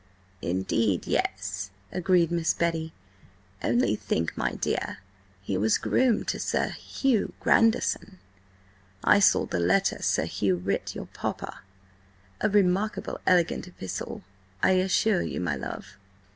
"Indeed, yes," agreed Miss Betty. "Only think, my dear, he was groom to Sir Hugh Grandison–I saw the letter Sir Hugh writ your Papa–a remarkable elegant epistle, I assure you, my love."